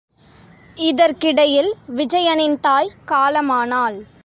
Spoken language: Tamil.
இதற்கிடையில் விஜயனின் தாய் காலமானாள்.